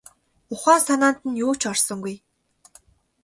Ухаан санаанд нь юу ч орсонгүй.